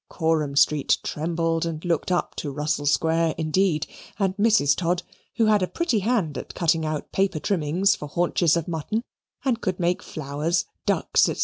Coram Street trembled and looked up to Russell Square indeed, and Mrs. Todd, who had a pretty hand at cutting out paper trimmings for haunches of mutton, and could make flowers, ducks, &c.